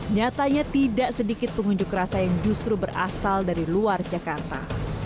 nyatanya tidak sedikit pengunjuk rasa yang justru berasal dari luar jakarta